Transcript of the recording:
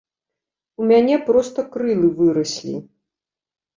У мяне проста крылы выраслі.